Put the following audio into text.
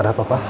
ada apa pak